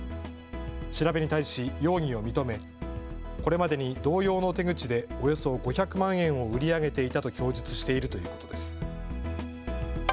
調べに対し容疑を認めこれまでに同様の手口でおよそ５００万円を売り上げていたと供述しているということです。